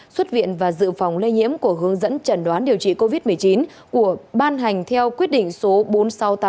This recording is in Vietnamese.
xuất viện và dự phòng lây nhiễm của hướng dẫn trần đoán điều trị covid một mươi chín của ban hành theo quyết định số bốn nghìn sáu trăm tám mươi tám